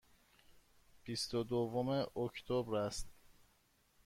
بیست و دوم اکتبر است.